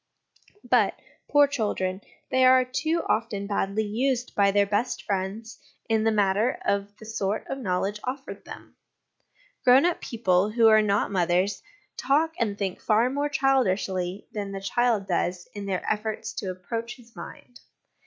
But, poor children, they are too often badly used by their best friends in the matter of the sort of knowledge offered them. Grown up people who are not mothers talk and think far more childishly than the child does in their efforts to approach his mind.